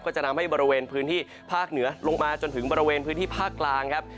จะทำให้บริเวณพื้นที่ภาคเหนือลงมาจนถึงบริเวณพื้นที่ภาคกลางครับ